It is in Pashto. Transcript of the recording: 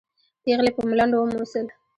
پېغلې په ملنډو وموسل.